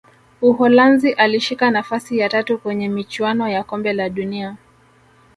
uholanzi alishika nafasi ya tatu kwenye michuano ya kombe la dunia